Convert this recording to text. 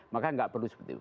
maka gak perlu seperti